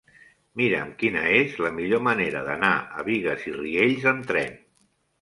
Mira'm quina és la millor manera d'anar a Bigues i Riells amb tren.